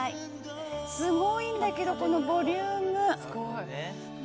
すごいんだけどこのボリューム。